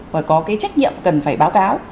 và có cái trách nhiệm cần phải báo cáo